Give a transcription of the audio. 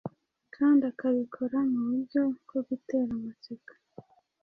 kandi akabikora mu buryo bwo gutera amatsiko.